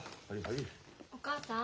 お母さん。